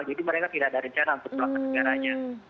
jadi mereka tidak ada rencana untuk pulang ke negaranya